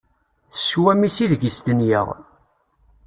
S cwami-s ideg i stenyeɣ.